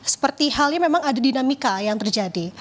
seperti halnya memang ada dinamika yang terjadi